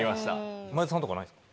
前田さんとかないですか？